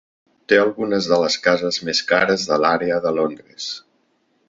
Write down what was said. Té algunes de les cases més cares de l'àrea de Londres.